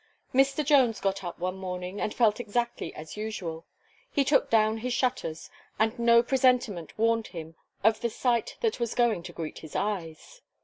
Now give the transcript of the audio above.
Mr. Jones got up one morning, and felt exactly as usual. He took down his shutters, and no presentiment warned him of the sight that was going to greet his eyes.